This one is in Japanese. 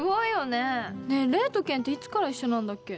「ねえ礼と健っていつから一緒なんだっけ？」